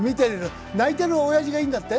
泣いてるおやじがいるんだって？